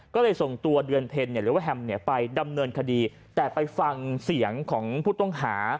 ก็เลยส่งตัวเดือนเพ็ญหรือว่าแฮมเนี่ยไปดำเนินคดีแต่ไปฟังเสียงของผู้ต้องหา